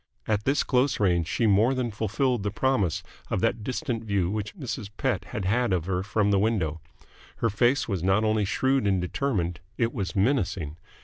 At this close range she more than fulfilled the promise of that distant view which Mrs. Pett had had of her from the window. Her face was not only shrewd and determined: it was menacing.